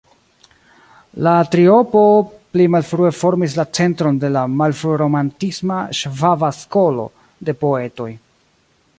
La triopo pli malfrue formis la centron de la malfru-romantisma "Ŝvaba Skolo" de poetoj.